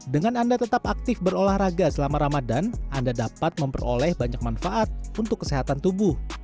dengan anda tetap aktif berolahraga selama ramadan anda dapat memperoleh banyak manfaat untuk kesehatan tubuh